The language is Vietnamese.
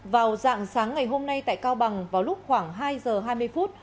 vào dạng sáng ngày hôm nay tại cao bằng vào lúc khoảng hai giờ hai mươi phút